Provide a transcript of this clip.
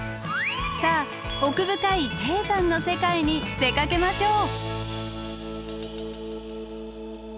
さあ奥深い低山の世界に出かけましょう。